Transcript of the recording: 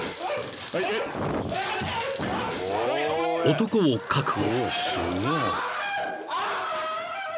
［男を確保］